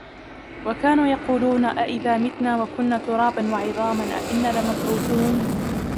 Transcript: وكانوا يقولون أئذا متنا وكنا ترابا وعظاما أإنا لمبعوثون